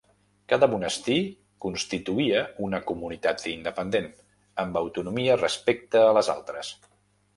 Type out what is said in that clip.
Cada monestir constituïa una comunitat independent, amb autonomia respecte a les altres.